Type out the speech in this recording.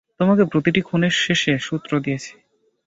তোমাকে প্রতিটি খুনের শেষে সূত্র দিয়েছি।